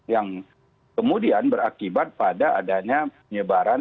yang kemudian berakibat pada adanya penyebaran